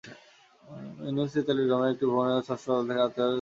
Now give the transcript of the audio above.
ইউনুস ইতালির রোমের একটি ভবনের ষষ্ঠ তলা থেকে ঝাঁপ দিয়ে আত্মহত্যা করেন।